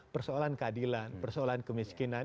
persoalan keadilan persoalan kemiskinan